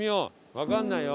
わかんないよ。